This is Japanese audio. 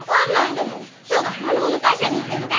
そうだマルモの会社に行ってみたい。